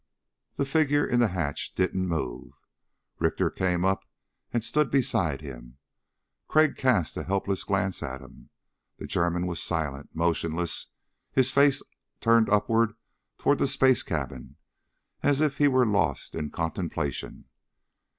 The figure in the hatch didn't move. Richter came up and stood beside him. Crag cast a helpless glance at him. The German was silent, motionless, his face turned upward toward the space cabin as if he were lost in contemplation.